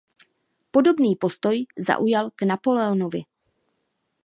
Podobný postoj zaujal k Napoleonovi.